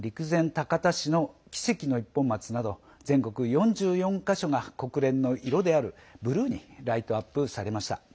岩手県陸前高田の奇跡の一本松など全国４４か所が国連の色であるブルーにライトアップされました。